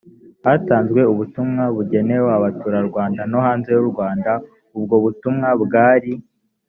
hatanzwe ubutumwa bugenewe abaturarwanda no hanze y u rwanda ubwo butumwa bwari